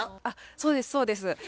あっそうですそうです。